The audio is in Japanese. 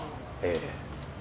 ええ。